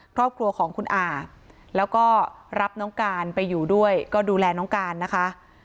ครอบครัวของคุณอาแล้วก็รับน้องการไปอยู่ด้วยก็ดูแลน้องการนะคะ